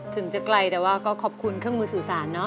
ถึงจะไกลแต่ว่าก็ขอบคุณเครื่องมือสื่อสารเนาะ